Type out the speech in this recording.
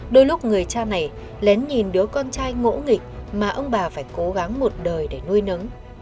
đôi lúc người cha này lén nhìn đứa con trai ngỗ nghịch mà ông bà phải cố gắng một đời để nuôi nấng